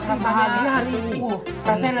rasanya lebih enak